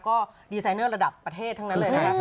ก็ดีไซเนอร์ระดับประเทศทั้งนั้นเลยนะครับ